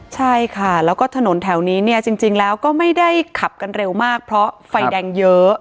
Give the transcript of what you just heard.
ใช่ค่ะแล้วก็ถนนแถวนี้เนี่ยจริงแล้วก็ไม่ได้ขับกันเร็วมากเพราะไฟแดงเยอะ